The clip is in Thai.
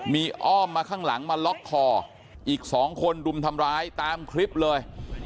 มีอ้อมมาข้างหลังมาล็อกคออีกสองคนรุมทำร้ายตามคลิปเลย